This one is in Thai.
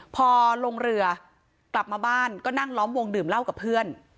พอลงเรือกลับมาบ้านก็นั่งล้อมวงดื่มเหล้ากับเพื่อน